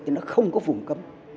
thì nó không có vùng cấm